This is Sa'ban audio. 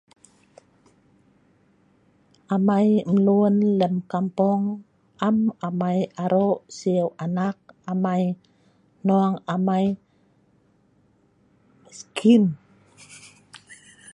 amei mlun lem kampung am amei arok siu anak amei hnung amei miskin